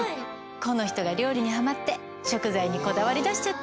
この人が料理にハマって食材にこだわり出しちゃって。